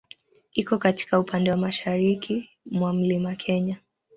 Iko katika upande wa mashariki mwa Mlima Kenya.